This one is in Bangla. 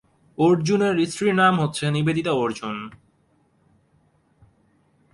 অর্জুনের স্ত্রীর নাম হচ্ছে নিবেদিতা অর্জুন।